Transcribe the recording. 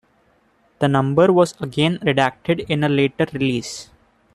This number was again redacted in a later release.